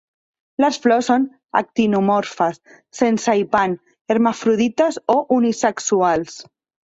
Les flors són actinomorfes, sense hipant, hermafrodites o unisexuals.